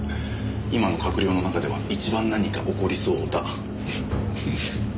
今の閣僚の中では一番何か起こりそうだ。